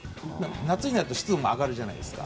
夏になると湿度も上がるじゃないですか。